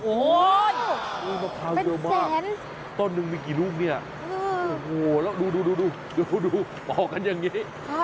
โอ้โหมะพร้าวเยอะมากต้นหนึ่งมีกี่ลูกเนี่ยโอ้โหแล้วดูดูออกกันอย่างนี้